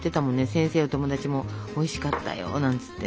先生や友達も「おいしかったよ」なんつってね。